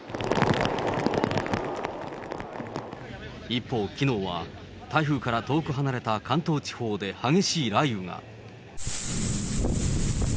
一方、きのうは台風から遠く離れた関東地方で激しい雷雨が。